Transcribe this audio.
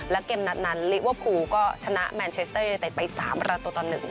และเกมนั้นลิเวอร์ภูลก็ชนะแมนเชสเตอร์ในตัดไป๓ละตัวตอนหนึ่ง